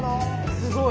すごい。